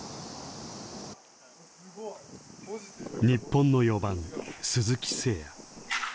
日本の４番鈴木誠也。